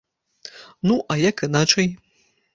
Ну, а як іначай.